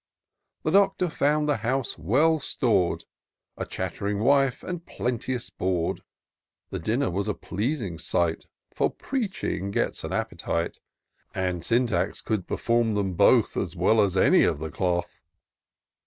The Doctor found the house well stor'd ; A chatt'ring wife, and plenteous board : The dinner was a pleasing sight, For preaching gets an appetite : And Syntax could perform them both As well as any of the cloth.